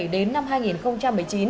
đến năm hai nghìn một mươi chín